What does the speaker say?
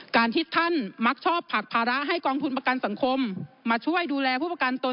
การที่ท่านมักชอบผลักภาระให้กองทุนประกันสังคมมาช่วยดูแลผู้ประกันตน